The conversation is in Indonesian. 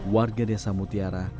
warga desa mutiara